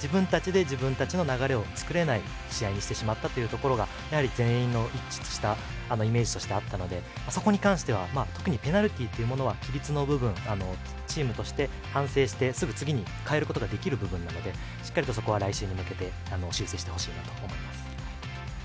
自分たちで自分たちの流れを作れない試合にしてしまったというところがやはり全員の一致したイメージとしてあったのでそこに関しては特にペナルティーは規律の部分チームとして反省してすぐ次に変えることができる部分なのでしっかりとそこは来週に向けて修正してほしいと思います。